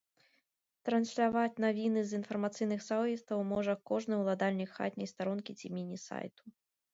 Трансьляваць навіны з інфармацыйных сайтаў можа кожны ўладальнік хатняй старонкі ці міні-сайту.